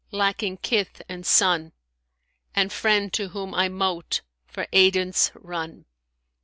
Lacking kith and son, * And friend to whom I mote for aidance run.